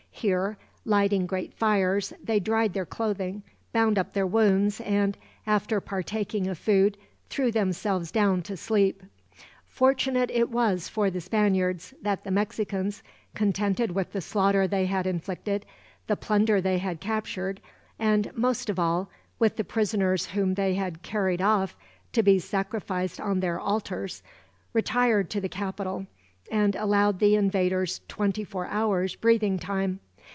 Here, lighting great fires, they dried their clothing, bound up their wounds and, after partaking of food, threw themselves down to sleep. Fortunate it was for the Spaniards that the Mexicans, contented with the slaughter they had inflicted, the plunder they had captured, and most of all with the prisoners whom they had carried off to be sacrificed on their altars, retired to the capital, and allowed the invaders twenty four hours' breathing time.